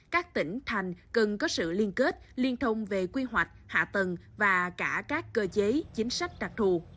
các tỉnh thành cần có sự liên kết liên thông về quy hoạch hạ tầng và cả các cơ chế chính sách đặc thù